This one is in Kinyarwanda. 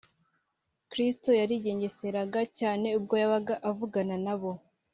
. Kristo yarigengeseraga cyane ubwo yabaga avugana na bo